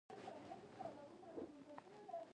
آیا د ازمایښت په وخت کې بوی هم حس کوئ؟